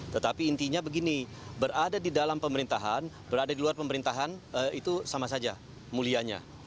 tetapi intinya begini berada di dalam pemerintahan berada di luar pemerintahan itu sama saja mulianya